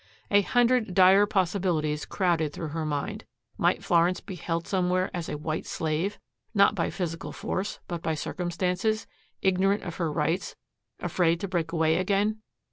A hundred dire possibilities crowded through her mind. Might Florence be held somewhere as a "white slave" not by physical force but by circumstances, ignorant of her rights, afraid to break away again?